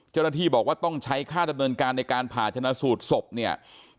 เจ้าหน้าที่บอกว่าต้องใช้ค่าดำเนินการในการผ่าชนะสูตรศพเนี่ย